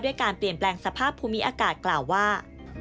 การเปลี่ยนแปลงสภาพภูมิอากาศกล่าวว่า